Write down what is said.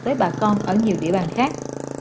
tới bà con ở nhiều địa bàn khác